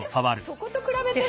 そこと比べて？